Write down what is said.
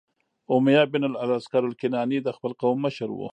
امیة بن الاسکر الکناني د خپل قوم مشر و،